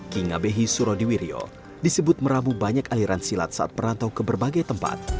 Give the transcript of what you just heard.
king abehi surodiwiryo disebut merabu banyak aliran silat saat perantau ke berbagai tempat